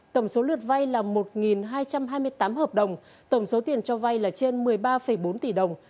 tổng số lượt vay là một hai trăm hai mươi tám hợp đồng tổng số tiền cho vay là trên một mươi ba bốn tỷ đồng